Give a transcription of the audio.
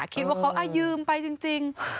คิดว่าเขายืมไปจริง